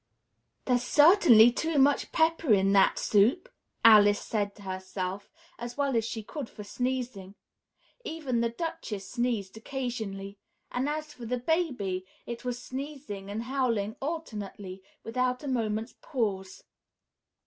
"There's certainly too much pepper in that soup!" Alice said to herself, as well as she could for sneezing. Even the Duchess sneezed occasionally; and as for the baby, it was sneezing and howling alternately without a moment's pause.